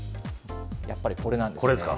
やっぱりこれなんですね。